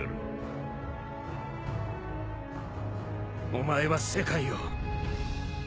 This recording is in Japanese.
お前は世界を。